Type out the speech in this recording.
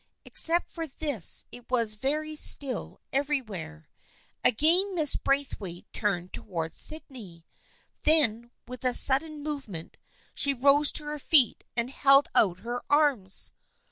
Except for this it was very still everywhere. Again Mrs. Braith waite turned towards Sydney. Then, with a sud den movement she rose to her feet and held out her arms.